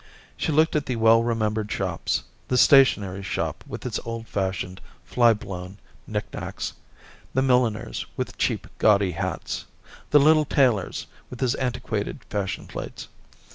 She looked at the well remembered shops, the stationery shop with its old fashioned, fly blown knick knacks, the mil liner*s with cheap, gaudy hats, the little tailor's with his antiquated fashion plates.